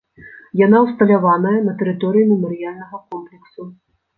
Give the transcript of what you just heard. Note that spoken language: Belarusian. Яна ўсталяваная на тэрыторыі мемарыяльнага комплексу.